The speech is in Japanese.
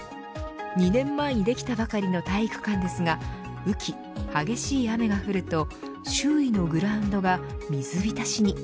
２年前にできたばかりの体育館ですが雨季、激しい雨が降ると周囲のグラウンドが水浸しに。